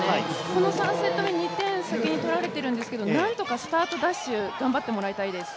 この３セット目、２点先に取られているんですけどなんとかスタートダッシュ頑張ってもらいたいです。